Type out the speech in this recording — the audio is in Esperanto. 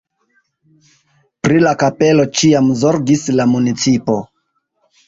Pri la kapelo ĉiam zorgis la municipo.